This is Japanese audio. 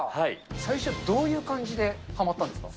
最初、どういう感じではまったんですか？